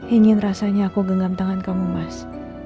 ingin rasanya aku genggam tangan kamu mas